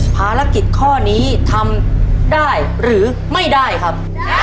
ภารกิจข้อนี้ทำได้หรือไม่ได้ครับ